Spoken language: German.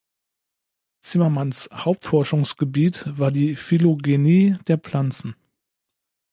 Zimmermanns Hauptforschungsgebiet war die Phylogenie der Pflanzen.